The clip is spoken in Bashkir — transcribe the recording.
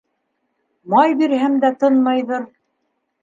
Май бирһәм дә тынмайҙыр